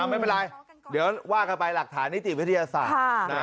ไม่เป็นไรเดี๋ยวว่ากันไปหลักฐานนิติวิทยาศาสตร์